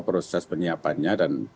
proses penyiapannya dan